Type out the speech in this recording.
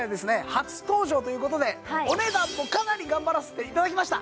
初登場ということでお値段もかなり頑張らせていただきました